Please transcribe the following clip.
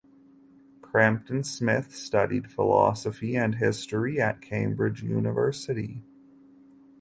Crampton Smith studied philosophy and history at Cambridge University.